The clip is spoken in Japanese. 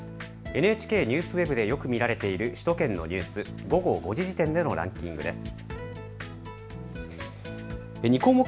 ＮＨＫＮＥＷＳＷＥＢでよく見られている首都圏のニュース、午後５時時点でのランキングです。